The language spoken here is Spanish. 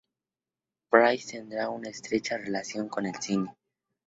Price tendrá una estrecha relación con el cine.